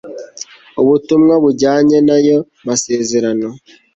ubutumwa bujyanye n' ayo masezerano